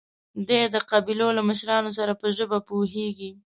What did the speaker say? دی د قبيلو له مشرانو سره په ژبه پوهېږي.